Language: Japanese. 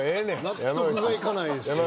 納得がいかないですね。